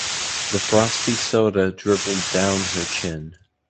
The frosty soda dribbled down her chin.